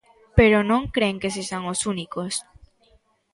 Pero non cren que sexan os únicos.